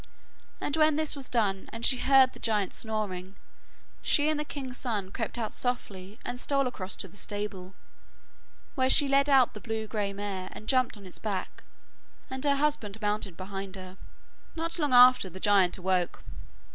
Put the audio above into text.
And when this was done, and she heard the giant snoring, she and the king's son crept out softly and stole across to the stable, where she led out the blue grey mare and jumped on its back, and her husband mounted behind her. Not long after, the giant awoke.